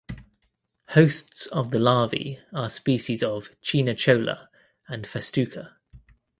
Hosts of the larvae are species of "Chionochloa" and "Festuca".